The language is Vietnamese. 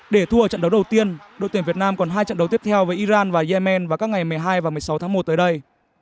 để thu ở trận đấu đầu tiên đội tuyển việt nam còn hai trận đấu tiếp theo với iran và yemen vào các ngày một mươi hai và một mươi sáu tháng một tới đây